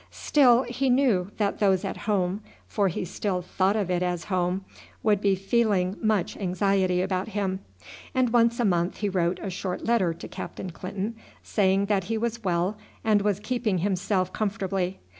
Still he knew that those at home for he still thought of it as home would be feeling much anxiety about him, and once a month he wrote a short letter to Captain Clinton saying that he was well and was keeping himself comfortably.